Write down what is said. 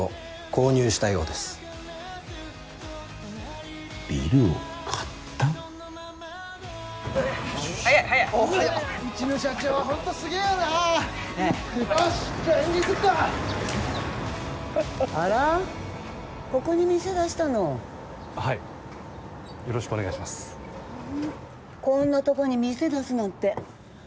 こんなとこに店出すなんて。